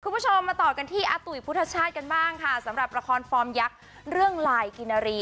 คุณผู้ชมมาต่อกันที่อาตุ๋ยพุทธชาติกันบ้างค่ะสำหรับละครฟอร์มยักษ์เรื่องลายกินนารี